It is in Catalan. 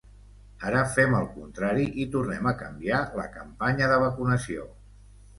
Ara fem el contrari i tornem a canviar la campanya de vacunació.